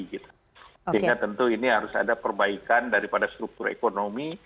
jadi tentu ini harus ada perbaikan daripada struktur ekonomi